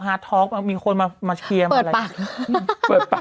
ห้าหมายถึงเปิดปากหรือเปล่า